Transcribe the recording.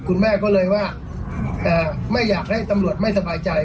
คุณแม่ก็เลยว่าไม่อยากให้ตำรวจไม่สบายใจ